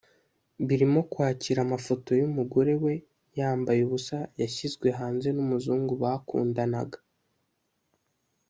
birimo kwakira amafoto y’umugore we yambaye ubusa yashyizwe hanze n’umuzungu bakundanaga